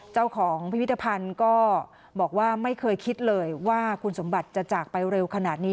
เจ้าของพิพิธภัณฑ์ก็บอกว่าไม่เคยคิดเลยว่าคุณสมบัติจะจากไปเร็วขนาดนี้